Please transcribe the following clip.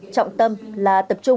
trọng tâm là tập trung